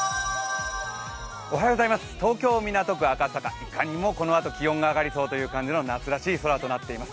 東京・港区赤坂、いかにもこのあと気温が上がりそうといった夏らしい空となっています。